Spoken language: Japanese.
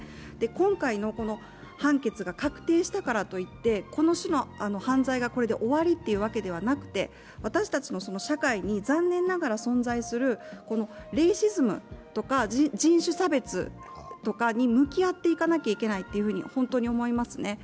今回の判決が確定したとからといって、この種の犯罪がこれで終わりというわけではなくて、私たちの社会に残念ながら存在するレイシズムとか人種差別とかに向き合っていかなければいけないと、本当に思いますね。